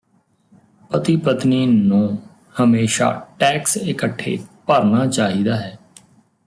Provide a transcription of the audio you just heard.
ਪਤੀ ਪਤਨੀ ਨੂੰ ਹਮੇਸ਼ਾ ਟੈਕਸ ਇਕੱਠੇ ਭਰਨਾ ਚਾਹੀਦਾ ਹੈ